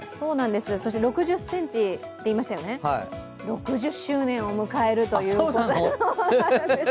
６０ｃｍといいましたよね、６０周年を迎えるということなんです。